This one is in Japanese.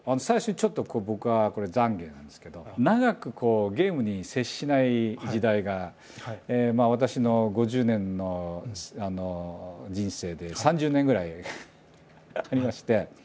最初にちょっと僕はこれ懺悔なんですけど長くゲームに接しない時代が私の５０年の人生で３０年ぐらいありまして。